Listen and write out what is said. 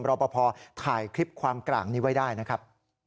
รอปภถ่ายคลิปความกร่างนี้ไว้ได้นะครับ